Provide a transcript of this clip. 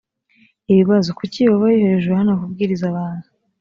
ibibazo kuki yehova yohereje yohana kubwiriza abantu